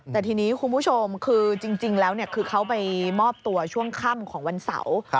แต่ทีนี้คุณผู้ชมคือจริงแล้วคือเขาไปมอบตัวช่วงค่ำของวันเสาร์